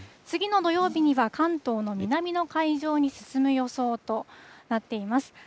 次の土曜日には関東の南の海上に進む予想となっています。